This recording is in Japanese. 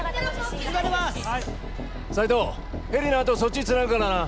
斎藤ヘリのあとそっちにつなぐからな。